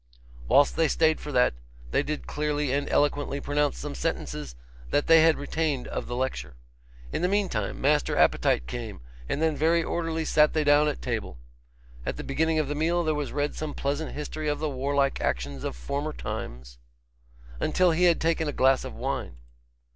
Whilst they stayed for that, they did clearly and eloquently pronounce some sentences that they had retained of the lecture. In the meantime Master Appetite came, and then very orderly sat they down at table. At the beginning of the meal there was read some pleasant history of the warlike actions of former times, until he had taken a glass of wine.